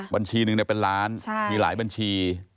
บัญชีหนึ่งเป็นล้านมีหลายบัญชี